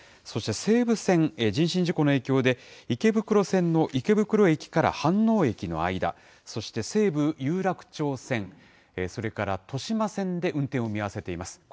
そして西武線、人身事故の影響で、池袋線の池袋駅から飯能駅の間、そして西武有楽町線、それから豊島線で運転を見合わせています。